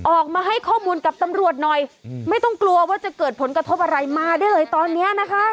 ออกมาให้ข้อมูลกับตำรวจหน่อยไม่ต้องกลัวว่าจะเกิดผลกระทบอะไรมาได้เลยตอนนี้นะคะ